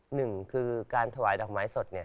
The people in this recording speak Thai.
หนึ่งคือการถวายดอกไม้สด